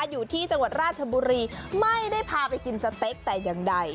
อยู่ที่จังหวัดราชบุรีไม่ได้พาไปกินสเต็กแต่อย่างใด